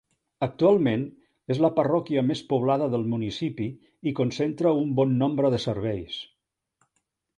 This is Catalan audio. Actualment és la parròquia més poblada del municipi i concentra un bon nombre de serveis.